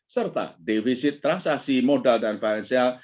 serta defisit transaksi modal dan finansial